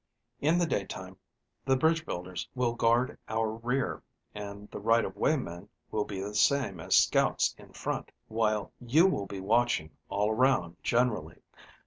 "In the day time, the bridge builders will guard our rear, and the right of way men will be the same as scouts in front, while you will be watching all around generally.